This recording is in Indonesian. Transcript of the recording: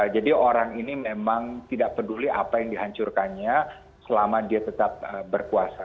jadi orang ini memang tidak peduli apa yang dihancurkannya selama dia tetap berkuasa